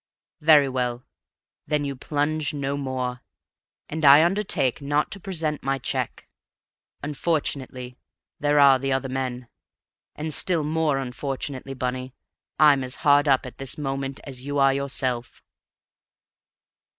Very well, then you plunge no more, and I undertake not to present my check. Unfortunately there are the other men; and still more unfortunately, Bunny, I'm as hard up at this moment as you are yourself!"